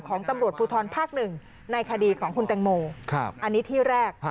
ของตำรวจภูทรภาคหนึ่งในคดีของคุณแตงโมอันนี้ที่แรก